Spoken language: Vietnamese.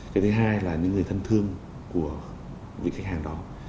cái thứ hai là những người thân thương của vị khách hàng đó